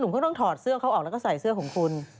เขาต้องถอดเสื้อเขาออกแล้วก็ใส่เสื้อของคุณ